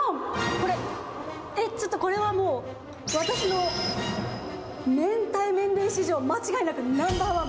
これ、ちょっとこれはもう、私の明太麺類史上間違いなくナンバーワン。